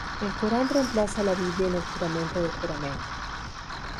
El Corán reemplaza a la Biblia en el juramento de juramento.